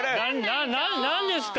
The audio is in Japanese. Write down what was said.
何ですか！？